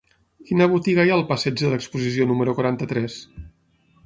Quina botiga hi ha al passeig de l'Exposició número quaranta-tres?